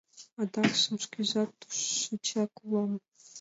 Адакшым шкежат тушечак улам.